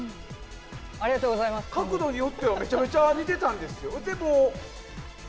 角度によってはめちゃめちゃ似てたんですよ。